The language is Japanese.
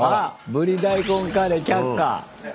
ブリ大根カレー却下。